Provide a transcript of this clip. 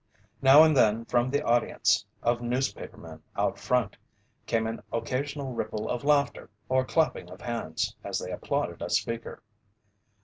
Now and then, from the audience of newspapermen out front, came an occasional ripple of laughter or clapping of hands as they applauded a speaker.